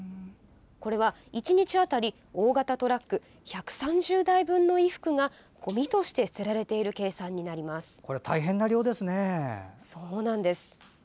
これは、１日あたり大型トラック１３０台分の衣服がごみとして捨てられている計算になります。